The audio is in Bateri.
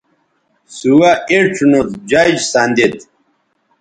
سوہ اِڇھ نو جج سندید